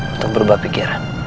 untuk berubah pikiran